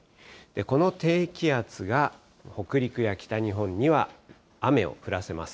この低気圧が北陸や北日本には雨を降らせます。